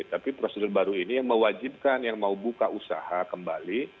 tapi prosedur baru ini yang mewajibkan yang mau buka usaha kembali